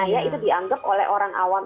ya itu dianggap oleh orang awam